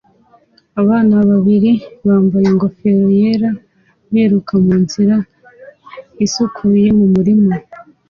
Abana babiri bambaye ingofero yera biruka munzira isukuye mumurima